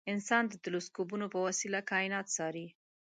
انسان د تلسکوپونو په وسیله کاینات څاري.